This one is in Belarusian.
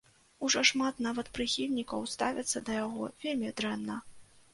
Ужо шмат нават прыхільнікаў ставяцца да яго вельмі дрэнна.